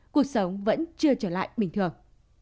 cuộc sống vẫn chưa trở lại bình thường